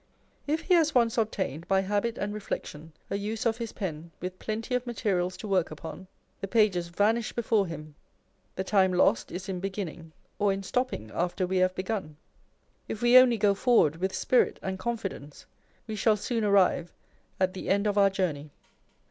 If he has once obtained, by habit and reflection, a use of his pen, with plenty of materials to work upon, the pages vanish before him. The time lost is in beginning, or in stopping after wTc have begun. If we only go forward with spirit and confidence, we shall Boon arrive at the end of our journey.